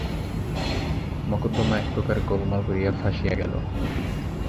মকদ্দমা একপ্রকার গোলমাল করিয়া ফাঁসিয়া গেল।